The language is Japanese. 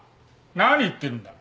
何言ってるんだ。